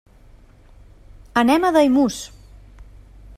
Anem a Daimús.